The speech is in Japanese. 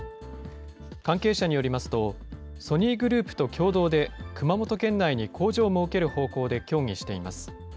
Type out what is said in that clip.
関係者によりますと、ソニーグループと共同で熊本県内に工場を設ける方向で協議しています。